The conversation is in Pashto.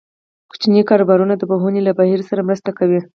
کوچني کاروبارونه د پوهنې له بهیر سره مرسته کوي.